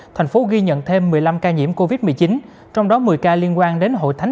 thành phố ghi nhận thêm một mươi năm ca nhiễm covid một mươi chín trong đó một mươi ca liên quan đến hội thánh